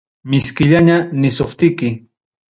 Miskillaña nisuptiki.